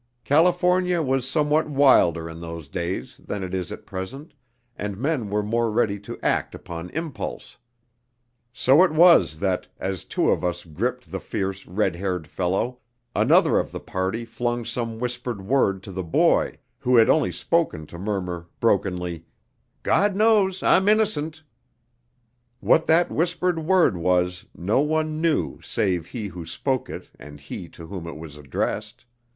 California was somewhat wilder in those days than it is at present, and men were more ready to act upon impulse. So it was that, as two of us gripped the fierce, red haired fellow, another of the party flung some whispered word to the boy, who had only spoken to murmur brokenly, "God knows I'm innocent!" What that whispered word was no one knew save he who spoke it and he to whom it was addressed.